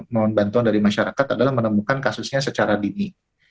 mohon bantuan dari masyarakat adalah menemukan kasusnya secara dini